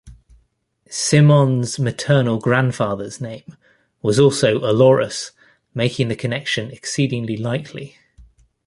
Cimon's maternal grandfather's name was also Olorus, making the connection exceedingly likely.